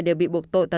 đều bị buộc tội